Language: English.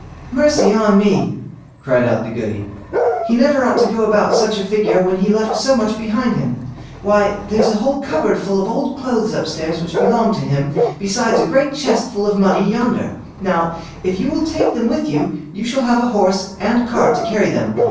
"Mercy on me", cried out the Goody; "he never ought to go about such a figure when he left so much behind him. Why, there's a whole cupboard full of old clothes up stairs which belonged to him, besides a great chest full of money yonder. Now, if you will take them with you, you shall have a horse and cart to carry them.